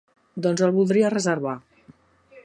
Doncs el voldria reservar.